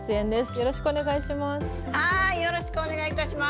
よろしくお願いします。